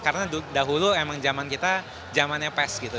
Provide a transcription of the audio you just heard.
karena dahulu emang zaman kita zamannya pes gitu